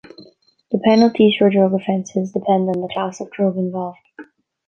The penalties for drug offences depend on the class of drug involved.